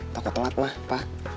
takut telat ma pak